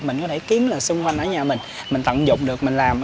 mình có thể kiếm là xung quanh ở nhà mình mình tận dụng được mình làm